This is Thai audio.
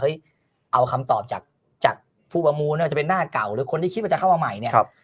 เอาคำตอบจากผู้ประมูลไม่ว่าจะเป็นหน้าเก่าหรือคนที่คิดว่าจะเข้ามาใหม่เนี่ย